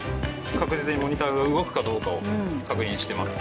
確実にモニターが動くかどうかを確認してます。